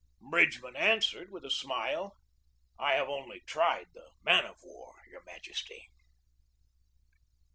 Bridgeman answered, with a smile: "I have only tried the man of war, your Majesty."